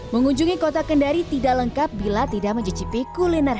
mengunjungi kota kendari tidak lengkap bila tidak mencicipi kuliner